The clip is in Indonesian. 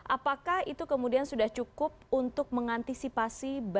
apakah itu kemudian sudah cukup untuk mengantisipasi